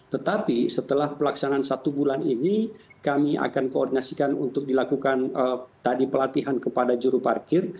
tetapi setelah pelaksanaan satu bulan ini kami akan koordinasikan untuk dilakukan tadi pelatihan kepada juru parkir